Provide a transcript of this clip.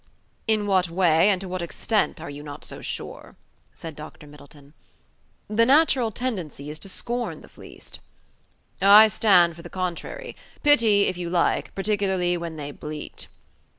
"In what way, and to what extent, are you not so sure?" said Dr. Middleton. "The natural tendency is to scorn the fleeced." "I stand for the contrary. Pity, if you like: particularly when they bleat."